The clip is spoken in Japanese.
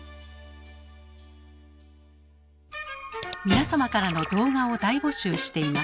皆様からの動画を大募集しています。